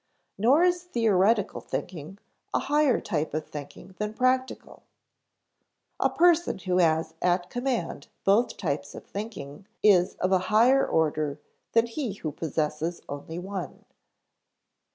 Nor is theoretical thinking a higher type of thinking than practical. A person who has at command both types of thinking is of a higher order than he who possesses only one.